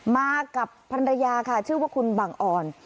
มากับภรรยาค่ะชื่อว่าคุณบังอ่อน